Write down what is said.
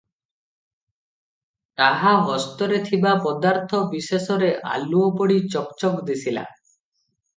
ତାହା ହସ୍ତରେ ଥିବା ପଦାର୍ଥ ବିଶେଷରେ ଆଲୁଅ ପଡ଼ି ଚକ୍ ଚକ୍ ଦିଶିଲା ।